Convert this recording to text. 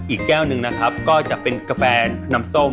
อีกแก้วหนึ่งนะครับก็จะเป็นกาแฟน้ำส้ม